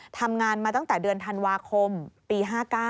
ทำงานมาตั้งแต่เดือนธันวาคมปี๕๙